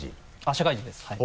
社会人ですはい。